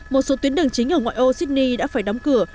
một số tuyến đường chính ở ngoại ô sydney đã phải đóng cửa